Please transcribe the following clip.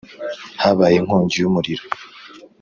habaye inkongi y umuriro .